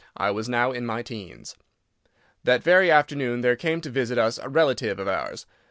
I was now in my teens. That very afternoon there came to visit us a relative of ours.